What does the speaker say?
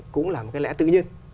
cũng là một lẽ tự nhiên